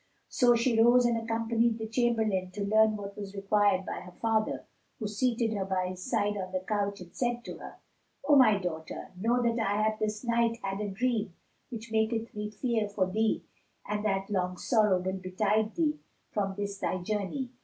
So she rose and accompanied the chamberlain to learn what was required by her father, who seated her by his side on the couch, and said to her, "O my daughter, know that I have this night had a dream which maketh me fear for thee and that long sorrow will betide thee from this thy journey."